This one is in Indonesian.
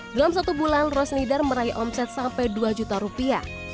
dalam satu bulan rosnidar meraih omset sampai dua juta rupiah